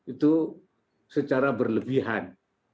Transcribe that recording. itu secara berlebihan